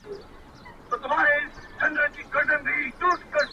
خوله يوه ښه ده” خو خبري اورېدل ښه دي”